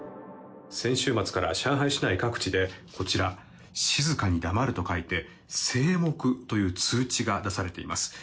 先週末から上海市内各地でこちら、静かに黙ると書いて静黙という通知が出されています。